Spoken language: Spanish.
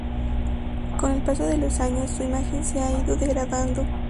Con el paso de los años, su imagen se ha ido degradando.